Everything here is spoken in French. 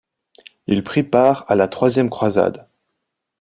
Il prit part à la troisième croisade.